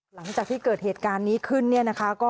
หลังจากที่เกิดเหตุการณ์นี้ขึ้น